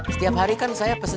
semoga kau udah berhasil